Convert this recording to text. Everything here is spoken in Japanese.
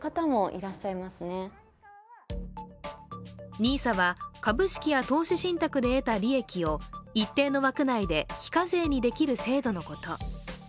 ＮＩＳＡは株式や投資信託で得た利益を一定の枠内で非課税にできる制度のこと。